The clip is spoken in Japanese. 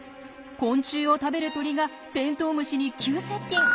昆虫を食べる鳥がテントウムシに急接近。